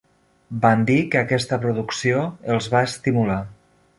Van dir que aquesta producció els va estimular.